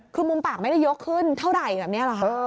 คือมุมปากมันยกขึ้นเท่าแบบนี้หรือคะ